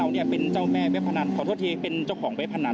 เราจะเป็นเจ้าแม่เวพพนันน่ะ